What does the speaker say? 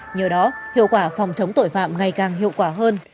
nhờ đó hiệu quả phòng chống tội phạm ngày càng hiệu quả hơn